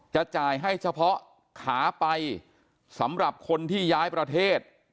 จะจ่ายให้เฉพาะขาไปสำหรับคนที่ย้ายประเทศ